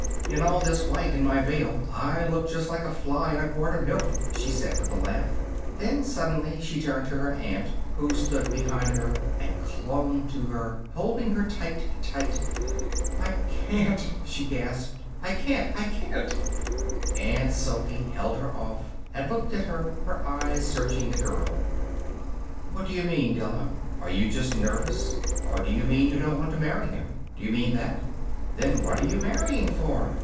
"In all this white, and my veil, I look just like a fly in a quart of milk," she said, with a laugh. Then, suddenly, she turned to her aunt, who stood behind her, and clung to her, holding her tight, tight. "I can't!" she gasped. "I can't! I can't!" Aunt Sophy held her off and looked at her, her eyes searching the girl. "What do you mean, Della? Are you just nervous or do you mean you don't want to marry him? Do you mean that? Then what are you marrying for?